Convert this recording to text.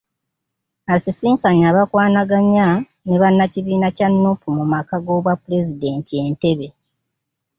Asisinkanye abakwanaganya ne bannakibiina kya Nuupu mu maka g'obwapulezidenti e Ntebe.